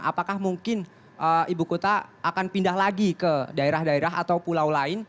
apakah mungkin ibu kota akan pindah lagi ke daerah daerah atau pulau lain